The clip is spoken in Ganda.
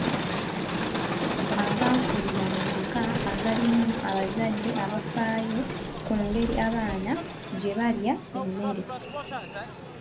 Abaakulira mu maka agalimu abazadde abafaayo ku ngeri abaana gye balya emmere.